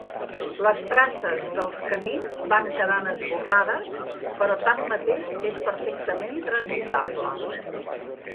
Les traces dels camins van quedant esborrades però tanmateix és perfectament transitable.